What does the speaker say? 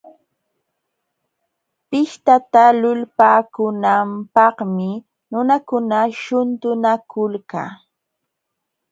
Pishtata lulpaakunanpaqmi nunakuna shuntunakulka.